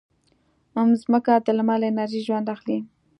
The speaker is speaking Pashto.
مځکه د لمر له انرژي ژوند اخلي.